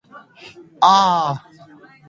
It is a suburb of Fort Worth.